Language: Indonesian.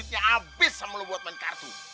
duitnya abis sama lo buat main kartu